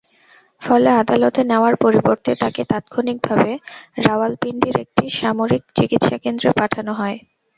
ফলে আদালতে নেওয়ার পরিবর্তে তাঁকে তাৎক্ষণিকভাবে রাওয়ালপিন্ডির একটি সামরিক চিকিৎসাকেন্দ্রে পাঠানো হয়।